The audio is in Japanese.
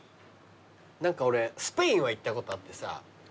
何か俺スペインは行ったことあってさ。